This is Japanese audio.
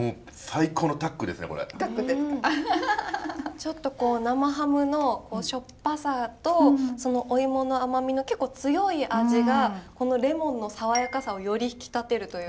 ちょっとこう生ハムのしょっぱさとそのお芋の甘みの結構強い味がこのレモンの爽やかさをより引き立てるというか。